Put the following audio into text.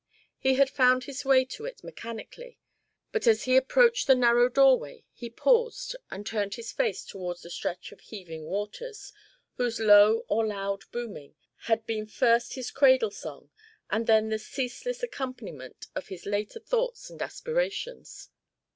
He had found his way to it mechanically, but as he approached the narrow doorway he paused and turned his face towards the stretch of heaving waters, whose low or loud booming had been first his cradle song and then the ceaseless accompaniment of his later thoughts and aspirations.